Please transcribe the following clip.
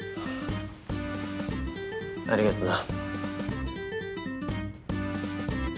ありがとな。